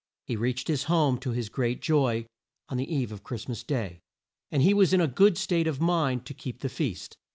He reached his home to his great joy on the eve of Christ mas day, and he was in a good state of mind to keep the feast.